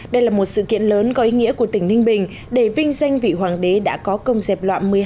đây là một sự kiện lớn có ý nghĩa của tỉnh ninh bình để vinh danh vị hoàng đế đã có công dẹp loạn